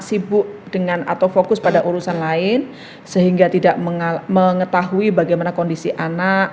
sibuk dengan atau fokus pada urusan lain sehingga tidak mengetahui bagaimana kondisi anak